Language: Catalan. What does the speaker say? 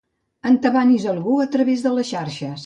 Entabanis algú a través de les xarxes.